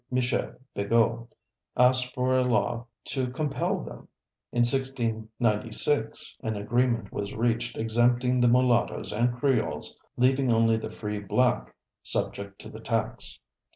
Michel Begou, asked for a law to compel them. In 1696, an agreement was reached exempting the Mulattoes and Creoles, leaving only the free black subject to the tax.